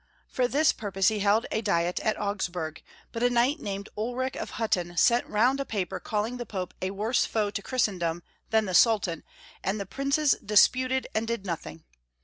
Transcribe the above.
For this purpose he held a diet at Augsburg, but a knight named Ulrich of Ilutten sent round a paper calling the Pope a worse foe to Christendom than the Sultan, and the princes disputed and did nothing.